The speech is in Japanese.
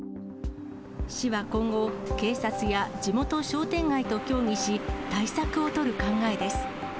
市は今後、警察や地元商店街と協議し、対策を取る考えです。